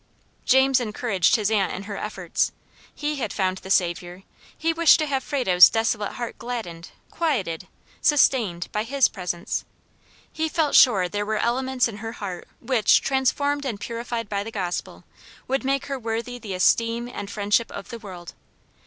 James encouraged his aunt in her efforts. He had found the SAVIOUR, he wished to have Frado's desolate heart gladdened, quieted, sustained, by HIS presence. He felt sure there were elements in her heart which, transformed and purified by the gospel, would make her worthy the esteem and friendship of the world.